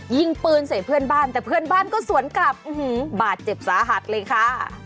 ยิงปืนใส่เพื่อนบ้านแต่เพื่อนบ้านก็สวนกลับบาดเจ็บสาหัสเลยค่ะ